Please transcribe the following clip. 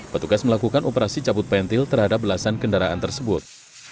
petugas melakukan operasi cabut pentil terhadap belasan kendaraan tersebut